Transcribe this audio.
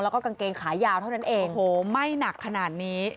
แล้วก็กางเกงขายาวเท่านั้นเองโอ้โหไหม้หนักขนาดนี้